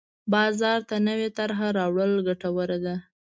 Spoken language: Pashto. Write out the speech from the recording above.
بازار ته نوې طرحه راوړل ګټوره ده.